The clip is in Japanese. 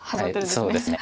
そうですね